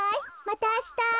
またあした。